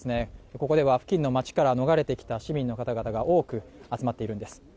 ここでは付近の街から逃れてきた市民の方々が多く集まっているんです。